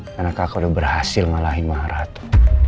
karena kakak udah berhasil ngalahin maharatu